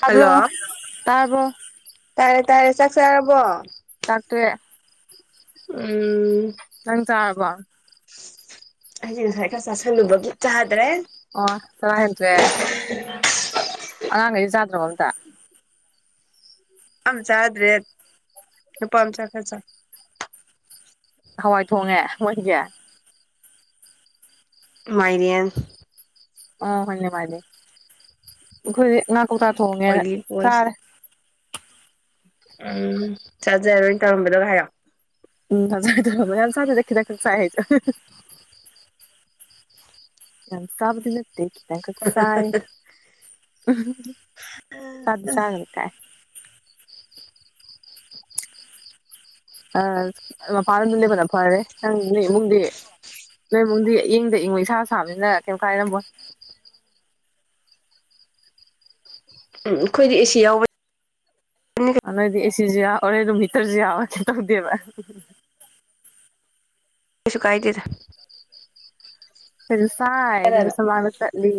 ꯇꯥꯔꯕꯣ ꯍꯜꯂꯣ ꯇꯥꯔꯕꯣ ꯇꯔꯦ ꯆꯥꯛ ꯆꯥꯔꯕꯣ ꯠꯇꯦ ꯎꯝ ꯅꯪ ꯇꯕ ꯑꯩꯁ ꯉꯁꯥꯏꯒ ꯆꯥꯥꯁꯟꯅꯂꯨꯕꯒꯤ ꯆꯥ ꯑꯗꯨꯗ꯭ꯔꯦ ꯑꯣ ꯆꯔꯥ ꯍꯦꯟꯇꯣꯛꯑꯦ ꯑꯉꯥꯡꯈꯩꯗꯤ ꯆꯥꯗ꯭ꯔꯕꯣ ꯑꯝꯇ ꯑꯝ ꯆꯗ꯭ꯔꯦ ꯎꯄꯥꯝ ꯆ ꯈꯁ ꯍꯋꯥꯏ ꯊꯣꯡꯉꯦ ꯃꯣꯏꯒꯦ ꯃꯥꯏꯔꯤꯟ ꯑꯣ ꯍꯣꯏꯅꯦ ꯃꯥꯅꯦ ꯑꯩꯈꯣꯏꯗꯤ ꯉꯥ ꯀꯧꯇꯥ ꯊꯣꯡꯉꯦꯅ ꯑꯣꯏꯂꯤ ꯕꯣꯏꯁꯤ ꯆꯥꯔꯦ ꯎꯝ ꯆꯠꯁꯔꯗꯅ ꯇꯧꯔꯝꯕꯗ ꯍꯥꯏꯌꯣ ꯎꯝꯖ ꯌꯥꯝ ꯁꯈꯤ ꯆ ꯅꯥꯟ ꯀꯕꯗꯤꯅꯠꯇꯦ ꯆꯥꯏ ꯆꯗ ꯆꯒ ꯀꯥꯏ ꯑ ꯄꯥꯔꯅ ꯂꯩꯦꯕꯅ ꯐꯔꯦꯪꯨꯡꯗꯦ ꯅꯣꯏꯃꯨꯡꯗꯤ ꯌꯦꯡꯗ ꯏꯪꯉꯣ ꯏꯁꯥ ꯁꯥꯕꯅꯤꯅ ꯀꯩꯝ ꯀꯥꯏꯔꯝꯃꯣꯏ [inaudible] ꯎꯝ ꯑꯩꯈꯣꯏꯗꯤ ꯑꯦꯁꯤ ꯌꯥꯎꯕ ꯅ ꯅꯣꯏꯗꯤ ꯑꯦꯁꯤꯁꯨ ꯌꯥ ꯑꯣꯔ ꯑꯗꯨꯝ ꯃꯤꯇꯔꯁꯨ ꯌꯥꯋ ꯀꯦ ꯇꯧꯗꯦꯕ ꯁꯨ ꯀꯥꯏꯗꯦꯗ ꯐꯁꯥꯏ ꯀꯅꯥꯅ ꯑꯗꯨꯁ ꯃꯥꯅ ꯆꯠꯂꯤ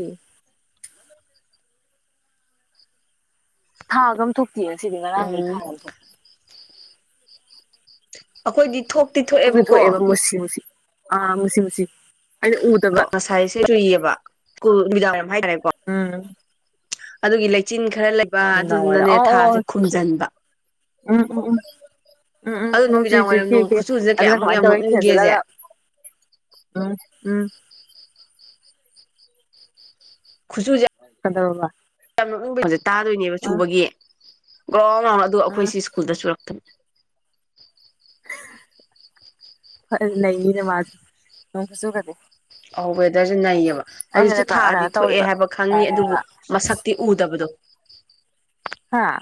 ꯊꯥꯒ ꯑꯃ ꯊꯣꯛꯇꯦ ꯁꯤꯗꯤ ꯉꯔꯥꯡꯈ ꯎꯝ ꯊꯥꯒ ꯑꯃ ꯊꯣꯛꯇ ꯑꯩꯈꯣꯏꯗꯤ ꯊꯣꯛꯇꯤ ꯊꯣꯛꯑꯦꯕꯀꯣ ꯊꯣꯛꯑꯦꯕ ꯃꯨꯁꯤ ꯃꯨꯁꯤ ꯑꯥ ꯃꯨꯁꯤ ꯃꯨꯁꯤ ꯑꯩꯅ ꯎꯗꯕ ꯉꯁꯥꯏꯁꯦ ꯔꯨꯏꯌꯦꯕꯗꯥ ꯎꯝ ꯑꯗꯨꯒꯤ ꯂꯩꯆꯤꯟ ꯈꯔ ꯂꯩꯕ ꯅꯨꯡꯗꯥꯡꯋꯥꯏꯔꯝ ꯑꯗꯨꯗꯨꯅꯅꯦ ꯑꯣ ꯑꯣ ꯊꯥꯁꯦ ꯈꯨꯝꯖꯤꯟꯕ ꯎꯝ ꯎꯝ ꯎꯝ ꯎꯝ ꯎꯝ ꯑꯗꯨ ꯅꯣꯡ ꯅꯨꯃꯤꯗꯥꯡ ꯆꯨꯁꯤꯦ ꯋꯥꯏꯔꯝ ꯅꯣꯡ ꯊꯤꯈꯤꯦ ꯈꯨꯆꯨꯁꯦ ꯑꯗꯨꯅ ꯀꯌꯥꯃꯨꯛ ꯀꯃꯥꯏꯅ ꯌꯥꯝ ꯇꯧꯋꯤ ꯅꯣꯛꯅꯤꯡꯒꯦꯁꯦ ꯊꯤꯜꯁꯤꯜꯂꯒ ꯎꯝ ꯎꯝ ꯈꯨꯆꯨꯁꯦ ꯀꯩꯗꯧꯔꯕ ꯌꯥꯝꯁꯦ ꯇꯥꯗꯣꯏꯅꯦꯕ ꯎꯝ ꯆꯨꯕꯒꯤ ꯀ꯭ꯔꯣ ꯑꯗꯨꯣ ꯎꯝ ꯑꯩꯈꯣꯏꯁꯤ ꯁ꯭ꯀꯨꯜꯗ ꯁꯨꯔꯛꯇꯄꯅꯤ ꯐ ꯂꯩ ꯔꯋꯥꯖ ꯍ ꯀꯁꯨ ꯀꯔꯤꯦ ꯑ ꯋꯦꯗꯔꯁꯨꯦ ꯅꯩꯌꯦꯕ ꯍꯧꯖꯤꯛꯁꯨ ꯊꯥꯗꯤ ꯀꯩꯅꯣ ꯊꯣꯛꯑꯦ ꯇꯧꯔꯤꯕ ꯍꯥꯏꯕ ꯈꯪꯅꯤ ꯑꯗꯨꯕꯨ ꯑꯥ ꯃꯁꯛꯇꯤ ꯎꯗꯕꯗꯣ ꯍꯥꯥ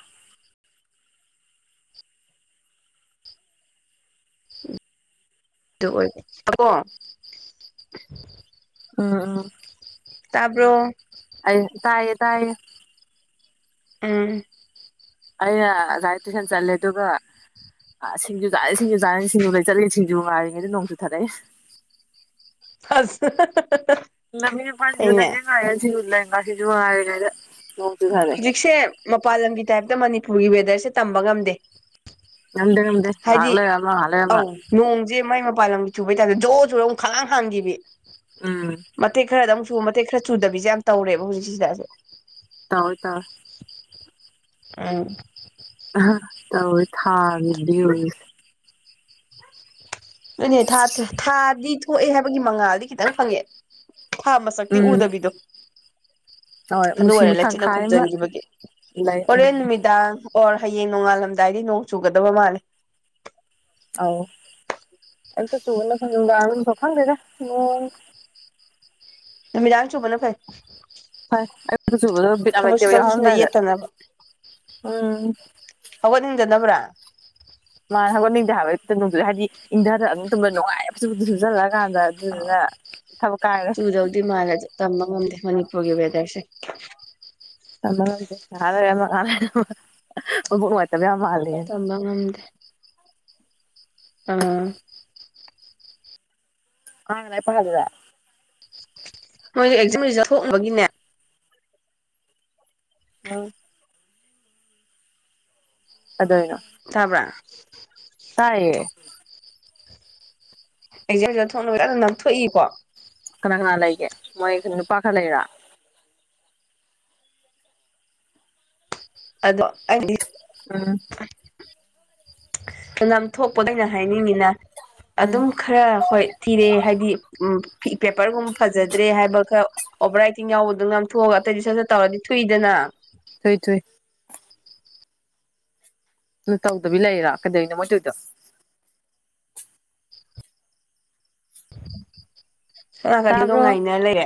ꯑꯗꯨ ꯑꯣꯏꯕꯕꯣ ꯎꯝ ꯎꯝ ꯇꯥꯔꯕꯣ ꯑ ꯇꯌꯦ ꯇꯌꯦꯦ ꯑꯥ ꯑꯩꯅ ꯍꯤ ꯇꯌꯨꯁꯟ ꯆꯜꯂꯦ ꯑꯗꯨꯒꯒ ꯑ ꯁꯤꯡꯖꯨ ꯆꯥꯔꯤ ꯁꯤꯡꯖꯨ ꯆꯥꯔꯅꯤ ꯁꯤꯡꯖꯨ ꯂꯩ ꯆꯠꯂꯤꯅꯤ ꯁꯤꯡꯖꯨ ꯉꯥꯏꯔꯤꯉꯩꯗ ꯅꯣꯡꯁꯨꯨ ꯊꯥꯔꯛꯑꯦ ꯑꯁ ꯏ ꯃꯤ ꯄꯟꯖꯂ ꯐꯩꯅꯦ ꯀꯥꯏꯌꯦꯂꯡꯁꯤ ꯋꯥꯦ ꯍꯧꯖꯤꯛꯁꯦ ꯃꯄꯥꯟ ꯂꯝꯒꯤ ꯇꯥꯏꯞꯇ ꯃꯅꯤꯄꯨꯔꯒꯤ ꯋꯦꯗꯔꯁꯦ ꯇꯝꯕ ꯉꯝꯗꯦ ꯉꯝꯗꯦ ꯉꯝꯗꯦ ꯉꯥꯏꯍꯥꯛ ꯍꯥꯏꯗꯤ ꯂꯩꯔ ꯑꯃ ꯉꯥꯏꯍꯥꯛ ꯂꯩꯔ ꯑꯃ ꯑꯧ ꯅꯣꯡꯁꯦ ꯃꯥꯏ ꯃꯄꯜꯂꯝ ꯆꯨꯕꯩ ꯇꯥꯔ ꯖꯣꯔ ꯨꯔꯣ ꯑꯃꯨꯛ ꯈꯂꯥꯡ ꯍꯥꯡꯈꯤꯕ ꯎꯝ ꯃꯇꯦꯛ ꯈꯔ ꯑꯗꯨ ꯆꯨ ꯃꯇꯦꯛ ꯈꯔ ꯆꯨꯗꯕꯤꯁꯦ ꯌꯥꯝ ꯇꯧꯔꯦꯕ ꯍꯧꯖꯤꯛꯁꯤꯗꯁꯦ ꯇꯋꯦ ꯇꯋꯦ ꯑ ꯇꯧ ꯊꯥꯁ ꯑꯅꯦ ꯊꯥ ꯊꯥꯗꯤ ꯊꯣꯛꯑꯦ ꯍꯥꯏꯕꯒꯤ ꯃꯉꯥꯜꯗꯤ ꯈꯤꯇꯪ ꯐꯪꯉꯦ ꯊꯥ ꯃꯁꯛꯇꯤ ꯎꯝ ꯎꯗꯕꯤꯗꯣ ꯍꯣꯏ ꯑꯗꯨ ꯅꯨꯡꯁꯤ ꯑꯣꯏꯔꯦ ꯂꯩꯥꯏꯆꯤꯠꯟꯅ ꯇꯪꯈꯥꯏ ꯑꯃ ꯈꯨꯝꯖꯤꯟꯈꯤꯕꯒꯤ ꯂꯩ ꯎꯝ ꯍꯣꯔꯦꯟ ꯅꯨꯃꯤꯗꯥꯡ ꯑꯣꯔ ꯍꯌꯦꯡ ꯅꯣꯡꯉꯥꯜꯂꯝꯗꯥꯏꯗꯤ ꯅꯣꯡ ꯆꯨꯒꯗꯕ ꯃꯥꯜꯂꯦ ꯑꯥꯎ ꯑꯇ ꯆꯨꯒꯅꯔ ꯁ ꯈꯥꯟꯗꯗ ꯃꯤ ꯌꯥꯎ ꯆꯣ ꯐꯂꯣ ꯐꯦ ꯐꯩ ꯑꯌꯨꯛꯇ ꯆꯨꯕꯗꯣ ꯕꯤꯠ ꯌꯥꯝ ꯊꯕꯛꯁꯨ ꯂꯩꯇꯦꯕ ꯆꯥꯎꯁꯤꯁꯤꯗ ꯌꯥꯍꯧꯔꯝꯗꯥꯏꯗ ꯌꯦꯠꯇꯅꯕ ꯎꯝ ꯍꯒꯠ ꯅꯤꯡꯖꯗꯕ꯭ꯔꯥ ꯃꯥ ꯍꯪꯒꯠꯅꯤꯡꯗꯦ ꯍꯥꯏꯕꯣꯡꯗꯨ ꯍꯥꯏꯗꯤ ꯏꯪꯊꯔ ꯑꯗꯨ ꯇꯗ ꯅꯨꯡꯉꯥꯏꯕ ꯁꯆꯜꯂꯒ ꯀꯗ ꯑꯗꯨ ꯑ ꯑꯗꯨꯅ ꯊꯕ ꯀꯑꯦ ꯃꯅꯤꯛ ꯍꯒꯦꯕꯦꯗꯁꯦ ꯑꯦꯥꯥꯔ ꯇꯝꯕ ꯉꯝꯗꯦ ꯑꯥ ꯑꯅꯦ ꯄ ꯍꯥꯏꯗ ꯃꯣꯏ ꯑꯦꯛꯖꯥꯝ ꯔꯤꯖꯜ ꯊꯣꯛꯅꯕꯒꯤꯅꯦ ꯎ ꯑꯗꯥꯏꯅ ꯊꯕ꯭ꯔ ꯇꯥꯏꯌꯦ ꯑꯦꯛꯖꯥꯝꯁꯤꯗ ꯊꯣꯛꯣꯡꯅꯕꯖꯅ ꯅꯝꯊꯣꯛꯏꯀꯣ ꯀꯅꯥ ꯂꯩꯒꯦ ꯃꯣꯏ ꯅꯨꯄꯥ ꯈꯔ ꯂꯩꯔ ꯑꯗꯣ ꯍꯥꯏꯗꯤ ꯎꯝ ꯅꯝ ꯊꯣꯛꯄꯗ ꯑꯩꯅ ꯍꯥꯏꯅꯤꯡꯉꯤ ꯎꯝ ꯑꯗꯨꯝ ꯈꯔ ꯍꯣꯏ ꯊꯤꯔꯛꯑꯦ ꯍꯥꯏꯗꯤ ꯎ ꯄꯦꯄꯔꯒꯨꯝꯕ ꯐꯖꯗ꯭ꯔꯦ ꯍꯥꯏꯕ ꯈꯔ ꯑꯣꯚꯔ ꯔꯥꯏꯇꯤꯡ ꯌꯥꯎꯕꯗꯣ ꯌꯥꯝ ꯊꯣꯛꯑꯒ ꯑꯇꯩꯗꯤ ꯁꯠ ꯁꯠ ꯇꯧꯔꯗꯤ ꯊꯨꯏꯗꯅ ꯊꯨꯏ ꯊꯨꯏ ꯑꯗꯨ ꯇꯧꯗꯕꯤ ꯂꯩꯔꯥ ꯀꯩꯗꯧꯅꯣ ꯃꯗꯨꯨꯗ ꯈꯛꯇꯅꯨꯡ ꯇꯥꯕ꯭ꯔꯣ ꯉꯥꯏꯅ ꯂꯩꯔꯦ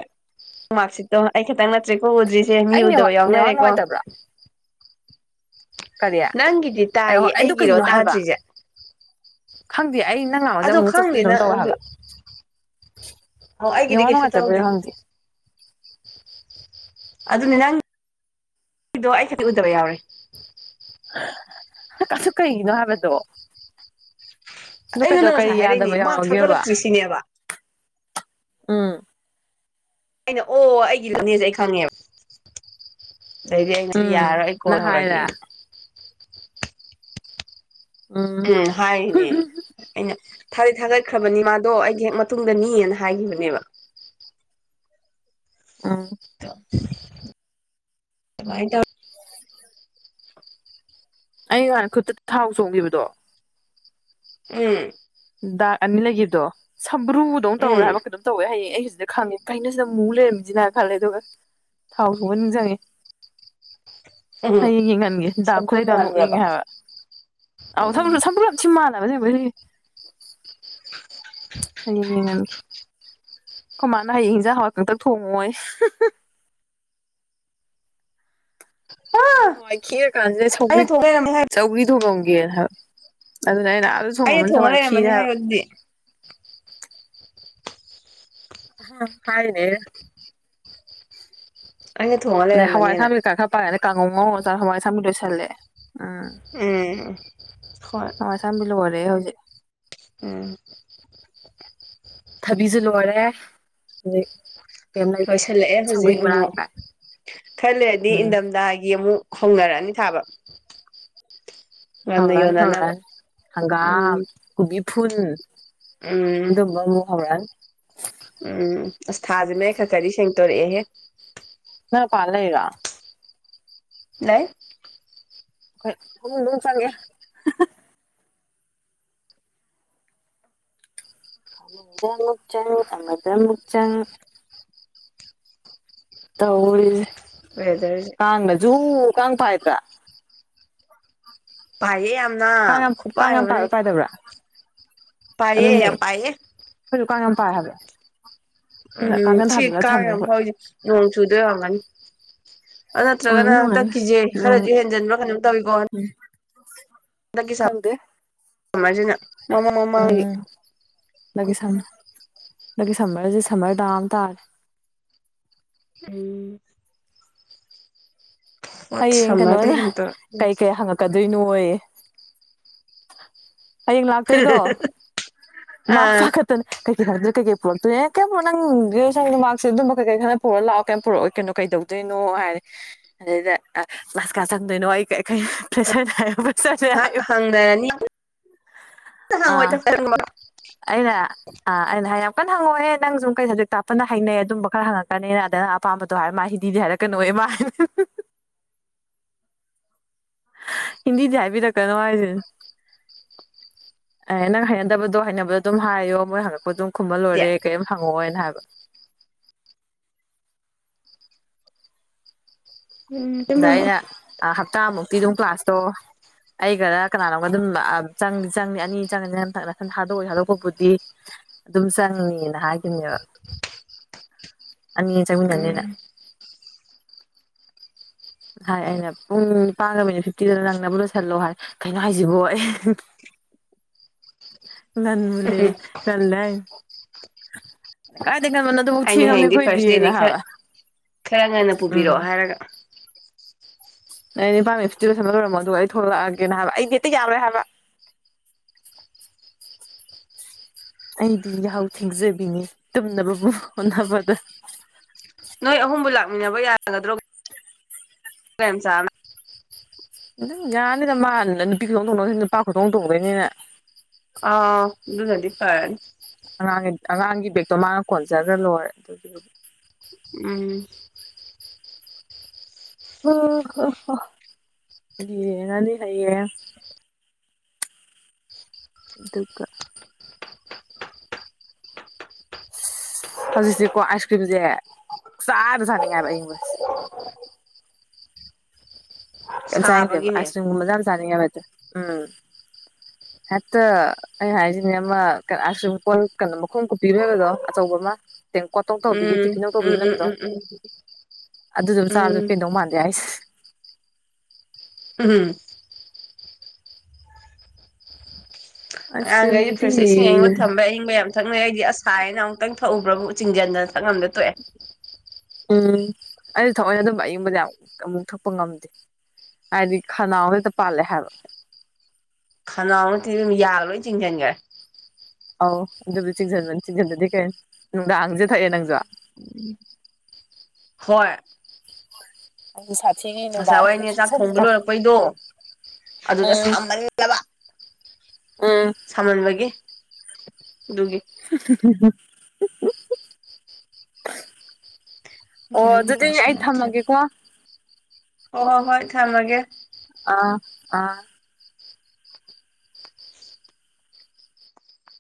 ꯃꯥꯔꯁꯤꯠꯇꯣ ꯑꯩ ꯈꯛꯇꯪ ꯅꯠꯇ꯭ꯦ ꯎꯗ꯭ꯔꯤꯁꯦ ꯃꯤ ꯑꯩ ꯅꯦꯠꯋꯥꯛ ꯎꯗꯕ ꯅꯦꯠꯋꯥꯛ ꯌꯥꯎꯅꯔꯦꯀꯣ ꯅꯨꯡꯉꯥꯏꯇꯕ꯭ꯔꯥ ꯀꯔꯤ ꯅꯪꯒꯤꯗꯤ ꯑꯩ ꯇꯥꯏꯌꯦ ꯍꯣꯏ ꯑꯗꯨ ꯑꯩꯒꯤꯔꯣ ꯀꯩꯅꯣ ꯇꯥꯗ꯭ꯔꯤꯁꯦ ꯗꯤ ꯑꯩ ꯅꯪꯅ ꯑꯣꯖ ꯑꯗꯣ ꯑꯃꯨꯛ ꯆꯠ ꯈꯪꯗꯦ ꯑꯗꯨ ꯅꯪ ꯇꯧ ꯍꯥꯏꯕ ꯑꯣ ꯑꯩꯒꯤꯗꯤ ꯋꯥꯅ ꯀꯩꯁꯨ ꯃꯥꯇꯕ ꯇꯧꯗꯦ ꯍꯪꯗꯤ ꯑꯗꯨꯅꯦ ꯅꯪꯗꯣ ꯑꯩ ꯈꯗꯤ ꯎꯗꯕ ꯌꯥꯎꯔꯦ ꯀꯁꯨ ꯀꯩꯅꯣ ꯍꯥꯏꯕꯗꯣ ꯅ ꯀꯩꯗꯣ ꯑꯩꯉꯣꯟꯗ ꯀꯔꯤ ꯉꯁꯥꯏ ꯌꯥꯗꯕ ꯍꯥꯏꯔꯛꯏꯅꯦ ꯃꯥꯛ ꯌꯥꯎꯔꯒꯦꯕ ꯊꯥꯒꯠꯂꯛꯇ꯭ꯔꯤ ꯁꯤꯅꯦꯕ ꯎꯝ ꯑꯩꯅ ꯑꯣ ꯑꯩꯒꯤ ꯂꯝꯅꯦꯁꯦ ꯑꯩ ꯈꯪꯉꯦꯕ ꯑꯗꯨꯗꯩꯗꯤ ꯑꯩ ꯁꯤꯗꯤ ꯎꯝ ꯌꯥꯔꯣꯏ ꯑꯩ ꯅ ꯀꯣꯟ ꯍꯧꯧꯔꯒꯦ ꯍꯥꯏꯔꯦ ꯎꯝ ꯍꯥꯏꯦꯩꯅ ꯊꯥꯗꯤꯠ ꯊꯥꯒꯠꯈ꯭ꯔꯕꯅꯤ ꯃꯥꯗꯣ ꯑꯩꯒꯤ ꯍꯦꯛ ꯃꯇꯨꯡꯗꯅꯤꯑꯅ ꯍꯥꯏꯈꯤꯕꯅꯦꯕ ꯑ ꯗ ꯑꯩ ꯍ ꯈꯨꯠꯇ ꯊꯥꯎ ꯆꯣꯡꯈꯤꯕꯗꯣ ꯎꯝ ꯗꯥꯛ ꯑꯅꯤ ꯂꯩꯈꯤꯕꯗꯣ ꯁꯝꯕ꯭ꯔꯨꯗꯧ ꯇꯧꯔꯦ ꯎꯝ ꯍꯥꯏꯕꯝ ꯇꯧꯋꯦ ꯍꯌꯦꯡ ꯑꯩ ꯑꯗ ꯈꯪꯉꯦ ꯀꯩꯅ ꯁꯤꯗ ꯑꯃꯨꯛ ꯂꯩꯔꯝꯁꯤꯅ ꯈꯜꯂꯦ ꯑꯗꯨꯒ ꯊꯥꯎ ꯁꯣꯡꯕ ꯅꯤꯡꯁꯤꯡꯪꯉꯦ [inaudible] ꯍꯌꯦꯡ ꯌꯦꯡ ꯈꯟꯒꯦꯗꯥꯛ ꯁꯝꯕꯨꯜ ꯈꯨꯂꯩꯗ ꯃꯥꯜꯂꯨꯔꯕ ꯅꯣꯛꯅꯤꯡꯉꯦ ꯍꯥꯏꯕ ꯑꯥꯎ ꯁ ꯎꯝ ꯁꯝꯕ꯭ꯔ ꯊꯤꯃꯂꯕ ꯍꯌꯦꯡ ꯌꯦꯟꯒꯔꯣꯏꯁꯦ ꯑꯩꯈꯣꯏ ꯃꯥꯅ ꯍꯌꯦꯡ ꯏꯟꯁꯥꯡ ꯍꯥꯋꯥꯏ ꯀꯪꯇꯥꯛ ꯊꯣꯡꯉꯣꯌꯦ [inaudible] ꯑꯩꯅ ꯍꯋꯥꯏ ꯈꯤꯔꯥ ꯀꯥꯟꯁꯤꯗ ꯑꯩꯅ ꯊꯣꯛꯂꯩꯔꯝꯃꯦ ꯍꯥꯏ ꯆꯧꯒ꯭ꯔꯤ ꯊꯣꯡꯉꯝꯒꯦꯅ ꯍꯥꯏꯕ ꯑꯗꯨꯅ ꯑꯩꯅ ꯑꯗꯨ ꯊꯣꯡꯃꯟ ꯑꯩꯅ ꯗꯥꯅ ꯊꯣꯡꯉ ꯍꯋꯥꯏ ꯈꯤꯔꯦ꯫ ꯂꯩꯔꯝꯃꯅꯤ ꯍꯥꯏꯌꯣ ꯍꯥꯏꯕꯥ ꯑꯗꯨꯗꯤ ꯑ ꯍꯥꯏꯅꯦ ꯑꯩꯅ ꯊꯣꯡꯉ ꯅ ꯍꯋꯥꯏ ꯂꯩꯔꯝꯃꯅꯤꯅ ꯑꯁꯥꯡꯕꯤ ꯈꯔ ꯈꯔ ꯄꯥꯔꯦ ꯑ ꯀꯥꯡꯉꯧ ꯉꯧꯅ ꯍꯋꯥꯏꯁꯥꯕꯤ ꯂꯣꯏꯁꯜꯂꯦ ꯎꯝ ꯎꯝ ꯍꯣꯏ ꯍꯋꯥꯏ ꯑꯁꯡꯕꯤ ꯂꯣꯏꯔꯦ ꯍꯧꯖꯤꯛ ꯎꯝ ꯊꯕꯤꯁꯨ ꯂꯣꯏꯔꯦ ꯀꯩꯝ ꯂꯩꯇ꯭ꯔꯦ ꯂꯣꯏꯁꯤꯜꯂꯛꯑꯦ ꯁꯧꯒ꯭ꯔꯤ ꯍꯧꯖꯤꯛ ꯃꯔꯥꯡ ꯑꯃꯨꯛ ꯀꯥꯏ ꯈꯔꯥ ꯂꯩꯔꯗꯤ ꯎꯝ ꯏꯪꯊꯝꯊꯥꯒꯤ ꯑꯃꯨꯛ ꯍꯧꯅꯔꯛꯑꯅꯤ ꯊꯥꯕ ꯉꯟꯅ ꯐꯪꯒꯥꯑꯥꯅꯤ ꯅꯤ ꯌꯣꯟꯅꯅꯕ ꯐꯪꯒꯥꯅꯤ ꯎꯝ ꯍꯡꯒꯥꯝ ꯀꯣꯕꯤ ꯐꯨꯟ ꯎꯝ ꯗꯨꯝꯕ ꯑꯃꯨꯛ ꯍꯧꯔꯛꯑꯥꯅꯤ ꯎꯝ ꯑꯁ ꯊꯥ ꯖꯦ ꯃꯌꯦꯛ ꯈꯔ ꯈꯗꯤ ꯁꯦꯡꯇꯣꯔꯛꯑꯦꯍꯦ ꯅꯪ ꯃꯄꯥꯟꯗꯥ ꯂꯩꯔꯤꯔꯣ ꯂꯩ ꯐꯥꯃꯨꯡ ꯗ ꯃꯨꯛ ꯆꯥꯡꯒꯦ ꯑꯃꯥꯗꯛ ꯆꯪ ꯑꯃꯗꯛ ꯆꯪ ꯋꯦꯗꯔꯁꯦ ꯀꯟꯥꯡ ꯅꯥꯖꯨ ꯀꯥꯡ ꯄꯥꯏꯕꯔꯥ ꯐꯥꯏꯌꯦ ꯌꯥꯝꯅ ꯀꯥꯡ ꯌꯥꯝ ꯀꯥꯡ ꯈꯨꯄꯥꯏ ꯌꯥꯝ ꯑꯃꯥꯅꯦ ꯄꯥꯏꯕ꯭ꯔꯥ ꯄꯥꯏꯗꯕ꯭ꯔꯥ ꯄꯥꯏꯌꯦ ꯌꯥꯝ ꯄꯌꯦ ꯑꯩꯈꯣꯏꯖꯨ ꯀꯥꯡ ꯌꯥꯝ ꯄꯥꯏ ꯍꯥꯏꯕꯥ ꯎꯝ ꯁꯤ ꯀꯥꯡ ꯌꯥꯝ ꯑꯩꯈꯣꯏ ꯍꯧꯔꯤꯖꯦ ꯅꯣꯡ ꯆꯨꯗꯣꯏ ꯑꯣꯏꯔꯝꯒꯅꯤ ꯑꯗꯨ ꯅꯠꯇ꯭ꯔꯒꯅ ꯑꯣꯏꯔꯝꯅꯤ ꯑꯣꯏꯔꯝꯅꯤ ꯍꯟꯇꯛꯀꯤꯖꯦ ꯅꯣꯡ ꯈꯔꯁꯨ ꯍꯦꯟꯖꯤꯟꯕ꯭ꯔꯥ ꯀꯩꯅꯣꯝ ꯇꯧꯋꯤꯀꯣ ꯍꯟꯗꯛꯀꯤ ꯈꯪꯗꯦ ꯁꯝꯃꯔꯁꯤꯅ ꯃꯃꯥꯡ ꯃꯃꯥꯡꯒꯤ ꯎꯝ ꯂꯒꯤ ꯁ ꯂꯒꯤ ꯁꯃꯔꯁ ꯁꯃꯔꯗꯥꯝ ꯇꯔ ꯑꯩ ꯍꯌꯦꯡ ꯁꯝꯃꯔꯗ ꯀꯩꯅꯣꯅ ꯍꯦꯟꯇꯣꯛ ꯀꯩ ꯀꯩ ꯍꯪꯉꯛꯀꯗꯣꯏꯅꯣ ꯑꯣꯏ ꯍꯌꯦꯡ ꯂꯥꯛꯇꯣꯏꯗꯣ ꯃꯥ ꯄꯥ ꯑꯥ ꯀꯠꯇꯅ ꯀꯩꯀꯩ ꯈꯗ꯭ꯔ ꯀꯩꯀꯩ ꯄꯨꯔꯛꯇꯣꯏꯦꯅꯦ ꯀꯩ ꯄꯨꯔꯣ ꯅꯪꯒꯤ ꯏꯁ ꯁꯥ ꯃꯥꯁꯦ ꯑꯗꯨꯝꯕ ꯀꯩ ꯈꯔ ꯄꯨꯔꯒ ꯂꯥꯛꯑꯣ ꯀꯩꯝ ꯄꯨꯔꯛꯏ ꯀꯩꯅꯣ ꯀꯩꯗꯧ ꯏꯅꯣ ꯍꯥꯏꯔꯦ ꯑꯗꯨꯗꯩꯗ ꯀ꯭ꯂꯥꯁ ꯀꯥ ꯆꯪꯗꯣꯏꯅꯣ ꯑꯩ ꯀ ꯀ ꯄꯦꯁꯔ ꯍꯥꯏ ꯍ ꯍꯥꯡꯗꯔꯅꯤ ꯍꯥꯡꯋꯥ ꯁꯔ ꯑꯩꯅꯥ ꯑꯥ ꯑꯩꯅ ꯍꯥꯏ ꯌꯥꯝ ꯀꯟꯅ ꯍꯪꯛꯑꯣꯍꯦ ꯅꯪ ꯁꯨꯝ ꯀꯩ ꯁꯕꯖꯦꯛ ꯇꯞꯄꯟꯅ ꯍꯅꯩ ꯑꯗꯨꯝꯕ ꯈꯔ ꯍꯪꯉꯛꯀꯅ ꯑꯗꯨꯅ ꯑꯄꯥꯝꯕꯗꯣ ꯍꯥꯏꯔ ꯃꯥ ꯍꯤꯗꯤ ꯍꯥꯏꯔꯛ ꯀꯩꯅꯣ ꯃꯥꯏ ꯑ ꯍꯤꯟꯗꯤ ꯗꯤ ꯍꯥꯏꯕꯤꯔꯛ ꯀꯅꯣ ꯍꯥꯏꯁꯤꯅꯦ ꯑꯦ ꯅꯪ ꯍꯩꯅꯗꯕꯗꯣ ꯍꯥꯏꯅꯕꯗꯣ ꯑꯗꯨꯝ ꯍꯥꯏꯌꯣ ꯃꯣꯏ ꯍꯪꯉꯛ ꯑꯗꯨꯝ ꯈꯨꯝꯃꯥ ꯂꯣꯏꯔꯦ ꯀꯔꯤꯝ ꯍꯪꯉꯛꯑꯣꯅ ꯍꯥꯏꯕ ꯎꯝ ꯀꯩꯝ ꯑꯗ ꯍꯪꯉꯣꯏ ꯑꯩꯅ ꯍꯞꯇꯥꯃꯨꯛꯇꯤ ꯑꯗꯨꯝ ꯀ꯭ꯂꯥꯁꯇꯣ ꯑꯩ ꯒꯔꯥ ꯀꯅꯥꯅꯣꯝꯒ ꯑꯗꯨꯝ ꯆꯪꯗꯤ ꯆꯪꯅꯤ ꯑꯅꯤ ꯆꯪꯉꯅꯤꯅ ꯅꯊꯛꯗ ꯊꯗꯣꯛꯏ ꯍꯥꯗꯣꯛꯄꯕꯨꯗꯤ ꯑꯗꯨꯗꯨꯝꯁꯉꯅꯤꯅ ꯍꯥꯏꯒꯤꯕꯅꯦꯕꯥ [unintelligible] ꯑꯅꯤ ꯎꯝ ꯆꯪꯃꯤꯅꯥꯅꯤꯅꯥ ꯍꯥꯏ ꯑꯩꯅ ꯄꯨꯡ ꯅꯤꯄꯥꯟꯒ ꯃꯤꯅ ꯐꯤꯐꯇꯤꯗꯨꯗ ꯅꯪꯅꯕ ꯂꯣꯏꯁꯤꯜꯂꯣ ꯍꯥꯏꯔ ꯀꯩꯅꯣ ꯍꯥꯏꯁꯤꯕꯣ ꯑꯩ [unintelligible] ꯎꯝ ꯂꯟꯃ ꯉꯥꯜꯂꯦ ꯑꯩꯅ ꯍꯌꯦꯡꯗꯤ ꯐꯥꯔꯁ ꯗꯦꯅꯤ ꯈꯔ ꯈꯔ ꯉꯟꯅ ꯎꯝ ꯄꯨꯕꯤꯔꯛꯑꯣ ꯍꯥꯏꯔꯒ [inaudible] [unintelligible] ꯂꯣꯏꯁꯟꯕ ꯂꯣꯏꯔꯝꯃꯣ ꯑꯗꯨꯒ ꯑꯩ ꯊꯣꯛꯂꯛꯑꯒꯦꯅ ꯍꯥꯏꯕ ꯑꯩꯗꯤ ꯍꯦꯛꯇ ꯌꯥꯝꯃꯦ ꯍꯥꯏꯕ [inaudible] ꯑꯩꯗꯤ ꯌꯥꯍꯧ ꯊꯦꯡꯖꯕꯤꯅꯤ ꯇꯨꯝꯅꯕꯕꯨ ꯍꯣꯠꯅꯕꯗ ꯍꯪꯅꯕ ꯌꯥꯒꯗ꯭ꯔꯣ [unintelligible] ꯑꯗꯨꯝ ꯌꯥꯅꯤꯗ ꯃꯥ ꯅꯨꯄꯤ ꯈꯨꯇꯣꯡ ꯇꯣꯡꯗꯧꯅꯤ ꯅꯨꯄꯥ ꯈꯨꯇꯣꯡ ꯇꯣꯡꯗꯣꯏꯅꯤꯅꯦ ꯑ ꯑꯗꯨꯅꯗꯤ ꯐꯔꯅꯤ ꯑꯉꯥꯡꯒꯤ ꯑꯉꯥꯡꯒꯤ ꯕꯦꯒꯇꯣ ꯃꯥꯅ ꯀꯣꯟꯖꯒ꯭ꯔ ꯂꯣꯏꯔꯦ ꯑꯗꯨꯒꯤꯕꯨꯗꯤ ꯎꯝ ꯌꯦꯡꯉꯅꯤ ꯍꯌꯦꯡ ꯗꯨꯒ ꯍꯧꯖꯤꯛꯁꯤꯀꯣ ꯑꯥꯏꯁ ꯀ꯭ꯔꯤꯝꯁꯦ ꯄꯛꯆꯥꯗ ꯆꯥꯅꯤꯡꯉꯤ ꯍꯥꯏꯕ ꯑꯌꯤꯡꯕꯁꯦ [inaudible] ꯀꯩꯝ ꯆꯥꯅꯤꯡꯗꯦꯕ ꯁꯥꯕꯒꯤꯅꯦ ꯑꯥꯏꯁ ꯀ꯭ꯔꯤꯝ ꯒꯨꯝꯕꯁꯦ ꯌꯥꯝ ꯆꯥꯅꯤꯡꯉꯦꯕ ꯍꯦꯛꯇ ꯎꯝ [inaudible] ꯍꯦꯛꯇ ꯑꯩꯅ ꯍꯥꯏꯁꯤꯅꯦ ꯑꯃ ꯑꯥꯏꯁ ꯀ꯭ꯔꯤꯝ ꯀꯣꯜ ꯀꯩꯅꯣ ꯃꯈꯨꯝ ꯀꯨꯞꯄꯤꯃ ꯂꯩꯕꯗꯣ ꯑꯆꯧꯕ ꯑꯃ ꯇꯦꯡꯀꯣꯠꯇꯧ ꯇꯧꯕꯤꯒꯦ ꯎꯝ ꯇꯤꯐꯤꯟꯗꯧ ꯎꯝ ꯇꯧꯕꯤꯃ ꯎꯝ ꯂꯩꯕꯗꯣ ꯎꯝ ꯎꯝ ꯑꯗꯨꯗꯨꯝ ꯆꯥꯔꯁꯨ ꯎꯝ ꯄꯦꯟꯗꯧ ꯃꯥꯟꯗꯦ ꯍꯥꯏꯁꯦ ꯍꯝ ꯍꯝ ꯑꯥꯏꯁ ꯑꯉꯥꯡꯒꯩꯗꯤ ꯀ꯭ꯔꯤꯝꯁꯤꯗꯤ ꯐ꯭ꯔꯤꯖꯇ ꯏꯁꯤꯡ ꯑꯌꯤꯡꯕ ꯊꯝꯕꯩ ꯑꯏꯪꯕ ꯌꯥꯝ ꯊꯛꯅꯩ ꯑꯩꯗꯤ ꯑꯁ ꯁꯥꯏꯅ ꯑꯃꯨꯛꯇꯪ ꯊꯛꯎꯕ꯭ꯔꯥꯕꯨ ꯆꯤꯡꯖꯟꯗꯅ ꯊꯛꯉꯝꯗ ꯇꯣꯛꯑꯦ ꯎꯝ ꯑꯩꯗꯤ ꯊꯑꯣꯏꯅ ꯑꯗꯨꯝ ꯑꯌꯪꯕꯗꯤ ꯌꯥꯝ ꯑꯃꯨꯛ ꯊꯛꯄ ꯉꯝꯗꯦ ꯍꯥꯏꯗꯤ ꯈꯅꯥꯎꯗ ꯍꯦꯛꯇ ꯄꯥꯜꯂꯦ ꯍꯥꯏꯕ ꯈꯅꯥꯎ ꯅꯠꯇꯤ ꯏꯕꯦꯃꯃꯥ ꯌꯥꯒ ꯂꯣꯏ ꯆꯤꯡꯁꯟꯈ꯭ꯔꯦ ꯑꯧ ꯑꯗꯨꯕꯨꯗꯤ ꯆꯤꯡꯁꯤꯟꯕꯅꯤ ꯆꯤꯡꯁꯟꯗꯗꯤ ꯀꯩꯅꯣ ꯅꯨꯡꯗꯥꯡꯖꯤꯗ ꯊꯛꯑꯦ ꯅꯪꯁꯨ ꯍꯣꯏ [unintelligible] ꯉꯁꯥꯏ ꯅꯨꯡꯗꯥꯡꯁꯤꯗ ꯋꯥꯏꯅꯦ ꯆꯥꯛ ꯊꯣꯡꯕ ꯊꯛꯆꯜꯂꯤꯗꯣ ꯂꯣꯏꯔꯛꯄꯩꯗꯣ ꯑꯗꯨꯗ ꯎꯝ ꯁꯥꯃꯟꯂꯕ ꯎꯝ ꯁꯥꯃꯟꯕꯒꯤ ꯑꯗꯨꯒꯤ [inaudible] ꯑꯣ ꯒ꯭ꯌꯥꯟꯒ ꯑꯗꯨꯗꯤ ꯑꯩ ꯊꯝꯃꯒꯦꯀꯣ ꯍꯣ ꯍꯣ ꯍꯣꯏ ꯊꯝꯃꯒꯦ ꯑꯥ ꯑꯥ